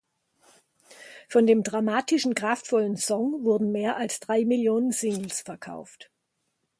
Von dem dramatischen, kraftvollen Song wurden mehr als drei Millionen Singles verkauft.